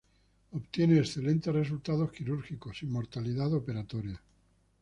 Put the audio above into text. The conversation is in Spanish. Obtiene excelentes resultados quirúrgicos, sin mortalidad operatoria.